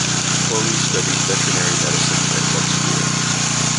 Chloe studied veterinary medicine at Vet School.